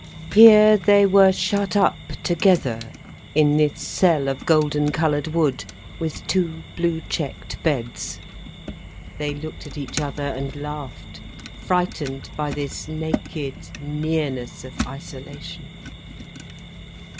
Here they were shut up together in this cell of golden coloured wood, with two blue checked beds. They looked at each other and laughed, frightened by this naked nearness of isolation.